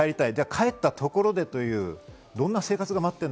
帰ったところでというどんな生活が待ってんのか。